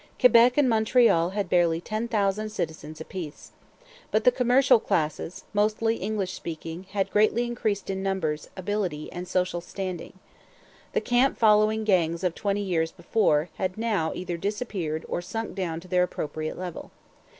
Quebec and Montreal had barely ten thousand citizens apiece. But the commercial classes, mostly English speaking, had greatly increased in numbers, ability, and social standing. The camp following gangs of twenty years before had now either disappeared or sunk down to their appropriate level.